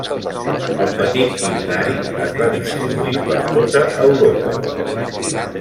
El petit himnari es va distribuir per tota Europa.